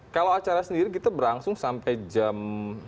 kalau acara sendiri kita berlangsung sampai jam